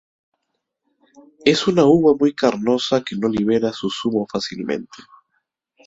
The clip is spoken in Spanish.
Es una uva muy carnosa que no libera su zumo fácilmente.